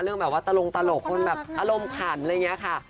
แบบว่าตลกคนแบบอารมณ์ขันอะไรอย่างนี้ค่ะ